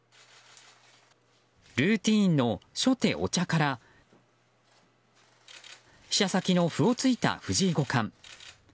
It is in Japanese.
ルーティンの初手、お茶から飛車先の歩を突いた藤井五冠。